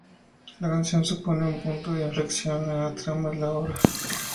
La canción supone un punto de inflexión en la trama de la obra.